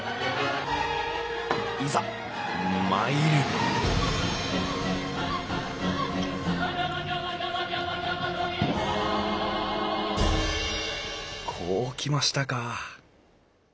いざ参るこうきましたか。